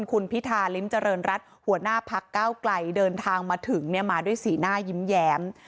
คุณพิธาริมเจริญรัฐหัวหน้าพักเก้าไกลเดินทางมาถึงเนี่ยมาด้วยสีหน้ายิ้มแย้ม